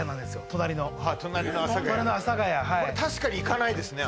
隣の阿佐ヶ谷はいこれ確かに行かないですね